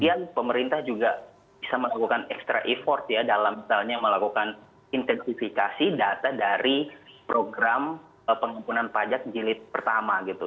yang pemerintah juga bisa melakukan extra effort ya dalam misalnya melakukan intensifikasi data dari program pengampunan pajak jilid pertama gitu